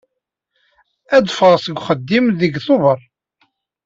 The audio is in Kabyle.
Ad ffɣeɣ seg uxeddim deg tubeṛ.